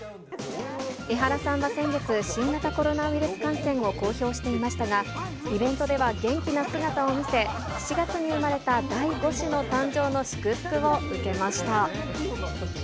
エハラさんは先月、新型コロナウイルス感染を公表していましたが、イベントでは元気な姿を見せ、７月に産まれた第５子の誕生の祝福を受けました。